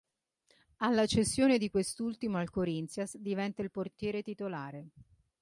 Alla cessione di quest'ultimo al Corinthians, diventa il portiere titolare.